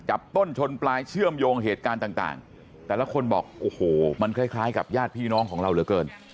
จับต้นชนปลายเชื่อมโยงเหตุการณ์ต่างแต่ละคนบอกโอ้โหมันคล้ายกับญาติพี่น้องของเราเหลือเกิน